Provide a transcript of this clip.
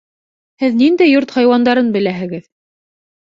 Һеҙ ниндәй йорт хайуандарын беләһегеҙ?